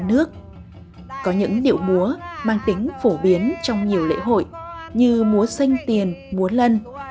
nước có những điệu múa mang tính phổ biến trong nhiều lễ hội như múa xanh tiền múa lân